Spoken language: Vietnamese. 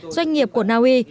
doanh nghiệp của naui